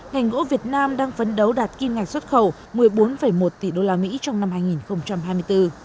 ngành gỗ việt nam đang phấn đấu đạt kim ngạch xuất khẩu một mươi bốn một tỷ usd trong năm hai nghìn hai mươi bốn